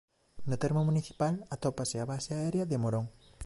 No termo municipal atópase a Base Aérea de Morón.